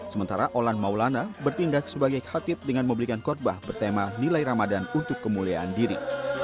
sementara olan maulana bertindak sebagai khatib dengan memberikan khutbah bertema nilai ramadan untuk kemuliaan diri